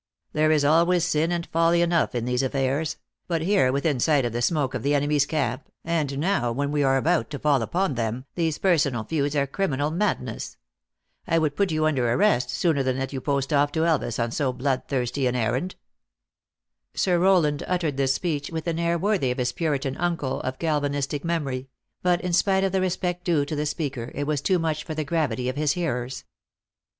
There is al ways sin and folly enough in these affairs ; but here, within sight of the smoke of the enemy s camp, and now, when we are about to fall upon them, these per sonal feuds are criminal madness. I would put you under arrest, sooner than let you post off to Elvas on so bloodthirsty an errand." Sir Rowland uttered this speech with an air worthy of his Puritan uncle, of Calvinistic memory ; but, in spite of the respect due to the speaker, it was too much for the gravity of his hearers.